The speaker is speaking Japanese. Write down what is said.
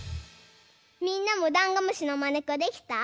みんなもダンゴムシのまねっこできた？